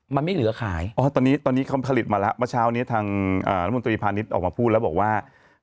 ไม่เหลือขายตอนนี้เขาผลิตมาแล้วเมื่อเช้านี้ทางนักบุญตรีพาณิชย์ออกมาพูดแล้วบอกว่า